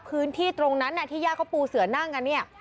พื้นที่ตรงนั้นที่ญาติเขาปูเสือนั่งกันเนี่ย